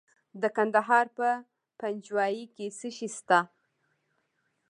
د کندهار په پنجوايي کې څه شی شته؟